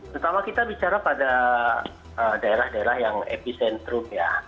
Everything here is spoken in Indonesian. terutama kita bicara pada daerah daerah yang epicentrum ya